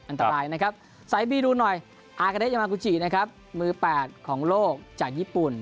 อันตรายนะครับสายบีดูหน่อยอากาเดชยามากูจินะครับมือ๘ของโลกจากญี่ปุ่น